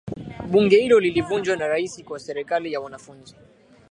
bunge hilo lilivunjwa na raisi wa serikali ya wanafunzi